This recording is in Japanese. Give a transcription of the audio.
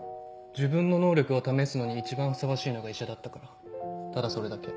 自分の能力を試すのに一番ふさわしいのが医者だったからただそれだけ。